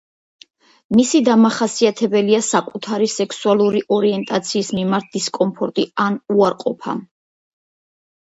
მისი დამახასიათებელია საკუთარი სექსუალური ორიენტაციის მიმართ დისკომფორტი ან უარყოფა.